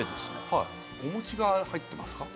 はいお餅が入ってますか？